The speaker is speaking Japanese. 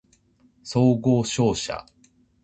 総合商社